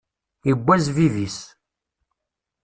Iwwa zzbib-is.